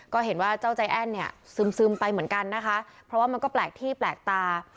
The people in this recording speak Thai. ก็เห็นว่าเจ้าใจแอ้นเนี่ยซึมไปเหมือนกันนะคะเพราะว่ามันก็แปลกที่แปลกตา